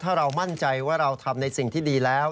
ถ้าเรามั่นใจว่าเราทำในสิ่งที่ดีแล้ว